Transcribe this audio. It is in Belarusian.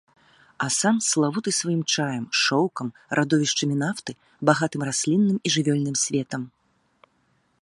Асам славуты сваім чаем, шоўкам, радовішчамі нафты, багатым раслінным і жывёльным светам.